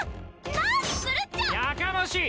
何するっちゃ！やかましい！